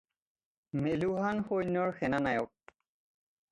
মেলুহান সৈন্যৰ সেনানায়ক।